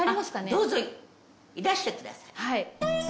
どうぞいらしてください。